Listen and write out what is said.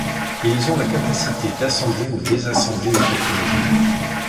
Ils ont la capacité d'assembler ou désassembler les technologies.